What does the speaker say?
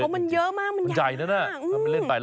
มันเยอะมากมันใหญ่มากอืมมันใหญ่นะ